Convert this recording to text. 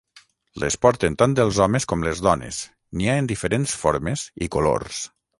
Les porten tant els homes com les dones, n'hi ha en diferents formes i colors.